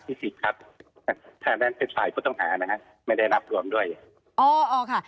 สิทธิ์ครับท่านนั้นเป็นฝ่ายผู้ต้องหานะฮะไม่ได้นับรวมด้วยอ๋ออ๋อค่ะ